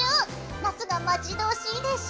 夏が待ち遠しいでしょ？